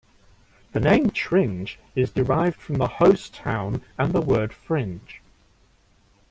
The name Tringe is derived from the host town and the word Fringe.